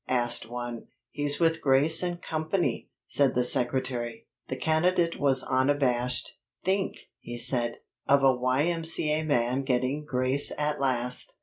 asked one. "He's with Grace and Company," said the secretary. The candidate was unabashed. "Think," he said, "of a Y.M.C.A. man getting grace at last."